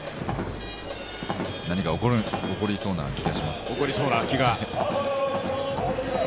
何か起こりそうな気がしますね。